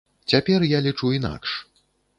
Цяпер я лічу інакш.